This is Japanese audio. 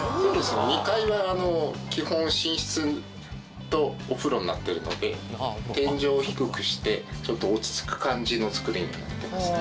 ２階は基本寝室とお風呂になってるので天井を低くしてちょっと落ち着く感じの造りになってますね。